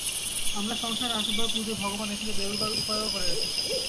আমরা সংসারে আসবার পূর্বেই ভগবান এ থেকে বেরুবার উপায়ও করে রেখেছেন।